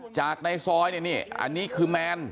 จากในซอยนี่อันนี้คือแมน